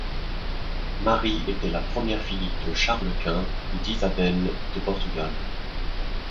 Marie était la première fille de Charles Quint et d'Isabelle de Portugal.